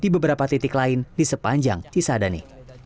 berapa titik lain di sepanjang cisadane